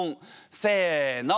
せの。